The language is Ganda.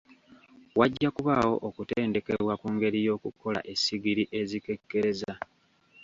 Wajja kubaawo okutendekebwa ku ngeri y'okukola essigiri ezikekkereza.